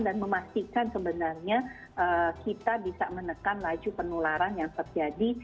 dan memastikan sebenarnya kita bisa menekan laju penularan yang terjadi